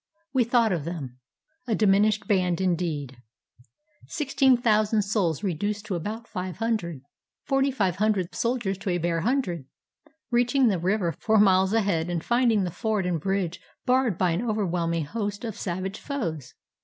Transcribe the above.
We thought of them, — a dimin 279 AFGHANISTAN ished band, indeed, — sixteen thousand souls reduced to about five hundred ; forty five hundred soldiers to a bare hundred — reaching the river four miles ahead and find ing the ford and bridge barred by an overwhelming host of savage foes.